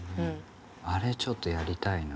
あれちょっとやりたいな。